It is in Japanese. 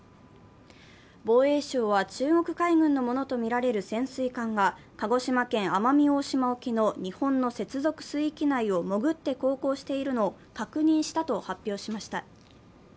防衛省は、中国海軍のものとみられる潜水艦が鹿児島県奄美大島沖の日本の接続水域内を潜って航行しているのを確認したと発表しました。